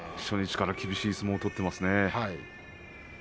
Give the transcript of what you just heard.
初日から厳しい相撲を取っていますね。